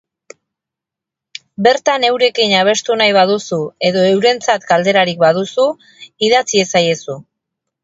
Bertan eurekin abestu nahi baduzu edo eurentzat galderarik badaukazu, idatz iezaiezu!